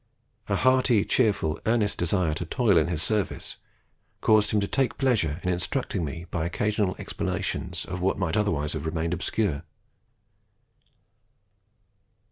A hearty, cheerful, earnest desire to toil in his service, caused him to take pleasure in instructing me by occasional explanations of what might otherwise have remained obscure.